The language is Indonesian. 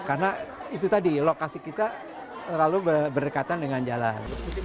karena itu tadi lokasi kita terlalu berdekatan dengan jalan